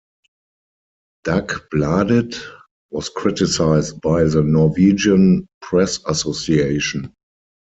"Dagbladet" was criticized by the Norwegian Press Association.